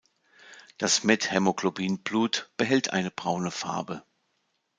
Das Methämoglobin-Blut behält eine braune Farbe.